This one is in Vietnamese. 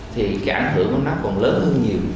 thì cái ảnh hưởng của nó còn lớn hơn nhiều